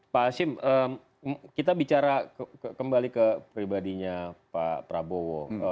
pak hashim kita bicara kembali ke pribadinya pak prabowo